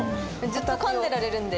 ずっとかんでられるので。